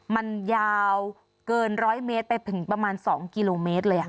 มันยาวเกินร้อยเมตรไปถึงประมาณสองกิโลเมตรเลยอ่ะ